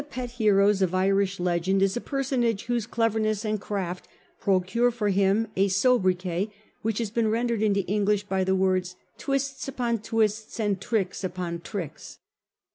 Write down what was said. pet heroes of Irish legend is a personage whose cleverness and craft procure for him a sobriquet which has been rendered into English by the words 1 twists upon twists and tricks upon tricks.